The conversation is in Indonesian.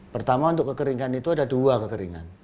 pertama untuk kekeringan itu ada dua kekeringan